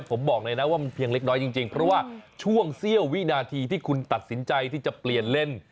ผมบอกเลยนะว่ามันเพียงเล็กน้อยจริงเพราะว่าช่วงเสี้ยววินาทีที่คุณตัดสินใจที่จะเปลี่ยนเล่น